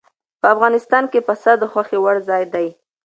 په افغانستان کې پسه د خوښې وړ ځای دی.